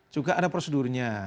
juga ada prosedurnya